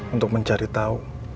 untuk mencari tahu